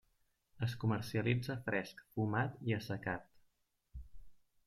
Es comercialitza fresc, fumat i assecat.